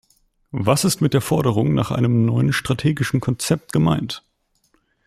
Was ist mit der Forderung nach einem neuen strategischen Konzept gemeint?